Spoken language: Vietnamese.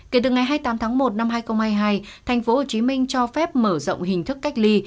kể từ ngày hai mươi tám tháng một năm hai nghìn hai mươi hai tp hcm cho phép mở rộng hình thức cách ly